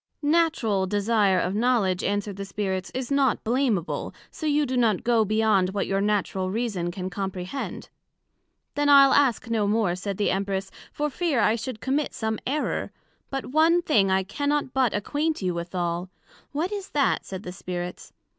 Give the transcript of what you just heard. Natural desire of knowledg, answered the Spirits, is not blameable, so you do not go beyond what your Natural Reason can comprehend. Then I'le ask no more, said the Empress, for fear I should commit some error; but one thing I cannot but acquaint you withal: What is that, said the Spirits?